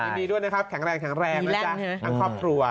ยินดีด้วยนะครับแข็งแรงแข็งแรงนะจ๊ะทั้งครอบครัว